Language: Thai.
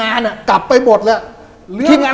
บางคนก็สันนิฐฐานว่าแกโดนคนติดยาน่ะ